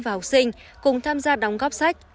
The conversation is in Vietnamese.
và học sinh cùng tham gia đóng góp sách